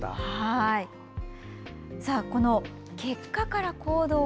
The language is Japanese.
この、結果から行動